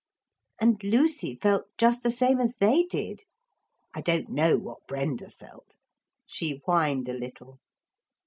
And Lucy felt just the same as they did. I don't know what Brenda felt. She whined a little.